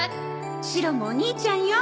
シロもお兄ちゃんよ。